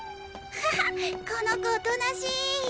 アハハこの子おとなしい。